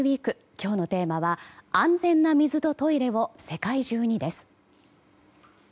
今日のテーマは「安全な水とトイレを世界中に」です。